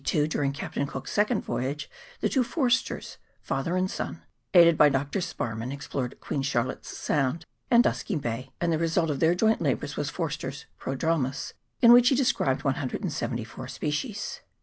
In 1772, during Captain Cook's second voyage, the two Forsters, father and son, aided by Dr. Sparmann, explored Queen Charlotte's Sound and Dusky Bay, and the result of their joint labours was Forster's ' Prodromus,' in which he described 174 species.